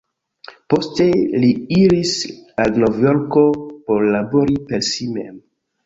Poste li iris al Novjorko por labori per si mem.